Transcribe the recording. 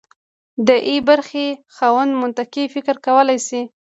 د ای برخې خاوند منطقي فکر کولی شي.